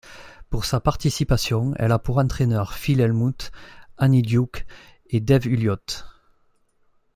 Pour sa participation, elle a pour entraîneurs Phil Hellmuth, Annie Duke et Dave Ulliot.